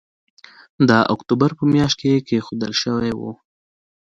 د اکتوبر په مياشت کې کېښودل شوی وو